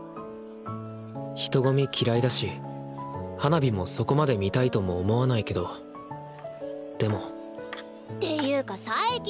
人混み嫌いだし花火もそこまで見たいとも思わないけどでもていうか佐伯！